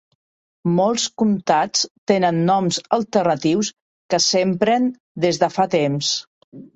Molts comtats tenen noms alternatius que s'empren des de fa temps.